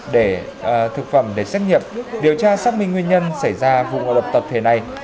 để thực phẩm để xét nghiệm điều tra xác minh nguyên nhân xảy ra vụ ngộ đập tập thể này